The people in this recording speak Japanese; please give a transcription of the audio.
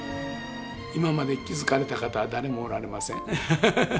今まで気付かれた方は誰もおられません。